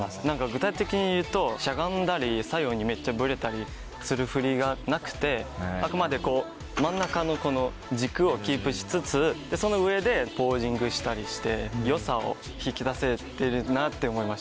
具体的に言うとしゃがんだり左右にめっちゃブレたりする振りがなくてあくまで真ん中の軸をキープしつつその上でポージングしたりして良さを引き出せてるなって思いました。